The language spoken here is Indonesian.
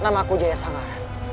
namaku jaya sangar